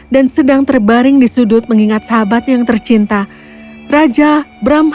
dan sedang terbaring di sudut mengingat sahabatnya yang tercinta raja brahmadatta